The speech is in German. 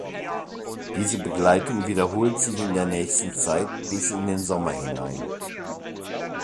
Diese Begleitung wiederholt sich in der nächsten Zeit bis in den Sommer hinein.